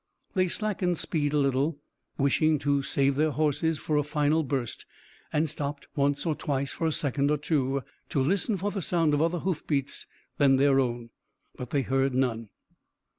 They slackened speed a little, wishing to save their horses for a final burst, and stopped once or twice for a second or two to listen for the sound of other hoofbeats than their own. But they heard none.